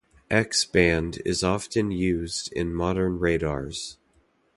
X band is often used in modern radars.